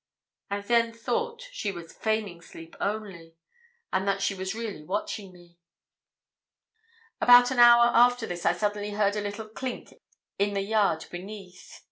I then thought she was feigning sleep only, and that she was really watching me. About an hour after this I suddenly heard a little clink in the yard beneath.